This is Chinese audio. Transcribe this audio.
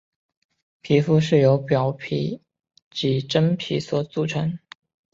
皮肤是由表皮及真皮所组成。